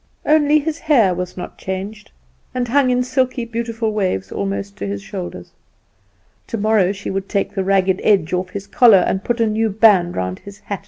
Only his hair was not changed, and hung in silky beautiful waves almost to his shoulders. Tomorrow she would take the ragged edge off his collar, and put a new band round his hat.